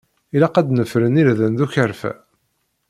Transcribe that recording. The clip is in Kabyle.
Ilaq ad nefren irden d ukerfa.